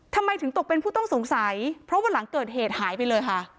ทำไมถึงตกเป็นผู้ต้องสงสัยเพราะว่าหลังเกิดเหตุหายไปเลยค่ะ